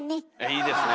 いいですね。